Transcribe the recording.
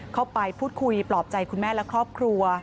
เข้าไปพูดคุยปลอบใจคุณแม่และครอบครัว